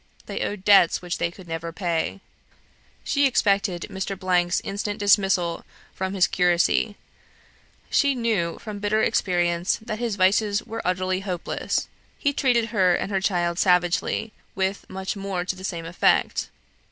They owed debts which they could never pay. She expected Mr. 's instant dismissal from his curacy; she knew, from bitter experience, that his vices were utterly hopeless. He treated her and her child savagely; with much more to the same effect.